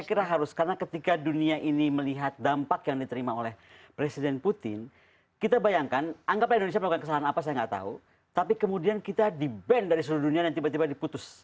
saya kira harus karena ketika dunia ini melihat dampak yang diterima oleh presiden putin kita bayangkan anggaplah indonesia melakukan kesalahan apa saya nggak tahu tapi kemudian kita di ban dari seluruh dunia dan tiba tiba diputus